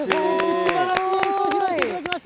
すばらしい演奏を披露していただきました。